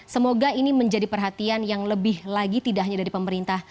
semoga ini menjadi perhatian yang lebih lagi tidak hanya dari pemerintah